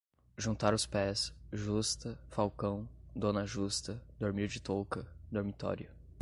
juntar os pés, justa, falcão, dona justa, dormir de touca, dormitório